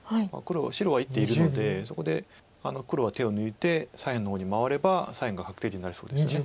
白は１手いるのでそこで黒は手を抜いて左辺の方に回れば左辺が確定地になりそうですよね。